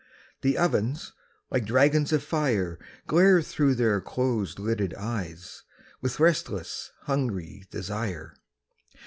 The ovens like dragons of fire Glare thro' their close lidded eyes With restless hungry desire.